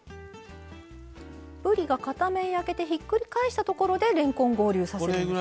ぶりが片面焼けてひっくり返したところでれんこん合流させるんですね。